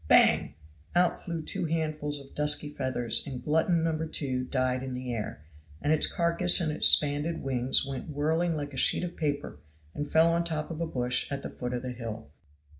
Bang! out flew two handfuls of dusky feathers, and glutton No. 2 died in the air, and its carcass and expanded wings went whirling like a sheet of paper and fell on the top of a bush at the foot of the hill.